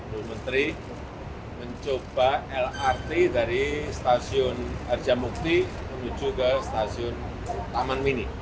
bu menteri mencoba lrt dari stasiun arjamukti menuju ke stasiun taman mini